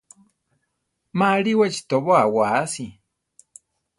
Ma alíwachi tobóa waasi.